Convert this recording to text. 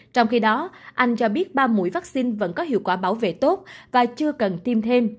trong khi đó anh cho biết ba mũi vaccine vẫn có hiệu quả bảo vệ tốt và chưa cần tiêm thêm